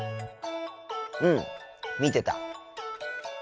うん見てた。